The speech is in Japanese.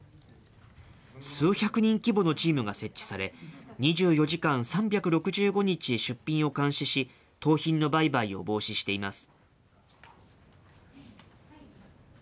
数百人規模のチームが設置され、２４時間３６５日出品を監視し、盗品の売買を防止しています。